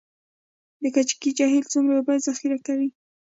د کجکي جهیل څومره اوبه ذخیره کوي؟